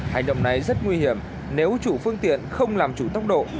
hành động này rất nguy hiểm nếu chủ phương tiện không làm chủ tốc độ